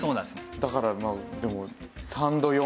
だからまあでも。